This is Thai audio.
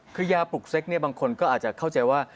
คือยาปลุกเซ็กเนี่ยบางคนก็อาจจะเข้าใจว่า